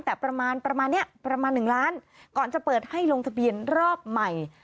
แต่ประมาณ๑ล้านบาทก่อนจะเปิดให้ลงทะเบียนรอบใหม่